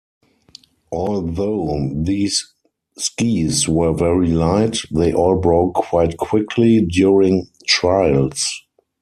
Although these skis were very light, they all broke quite quickly during trials.